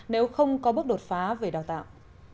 nếu không có bước đột phá về đào tạo